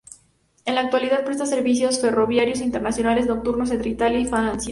En la actualidad presta servicios ferroviarios internacionales nocturnos entre Italia y Francia.